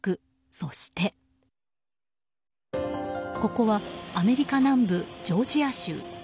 ここはアメリカ南部ジョージア州。